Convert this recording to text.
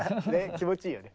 気持ちいいよね。